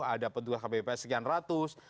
ada petugas kpp sekian ratus